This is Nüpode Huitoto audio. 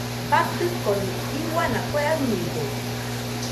Batɨconi iuana kue aɨnide.